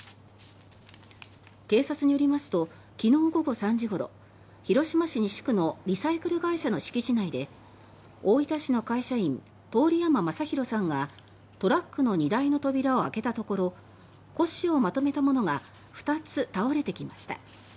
警察によりますと昨日午後３時ごろ広島市西区のリサイクル会社の敷地内で大分市の会社員通山正博さんがトラックの荷台の扉を開けたところ古紙をまとめたものが２つ倒れてきました。